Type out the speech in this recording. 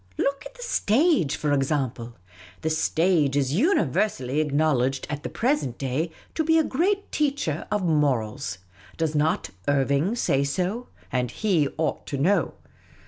Look at the stage, for example ; the stage is universally acknowledged at the present day to be a great teacher of morals. Does not Irving say so ?— and he ought to know.